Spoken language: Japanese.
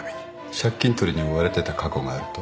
借金取りに追われてた過去があると？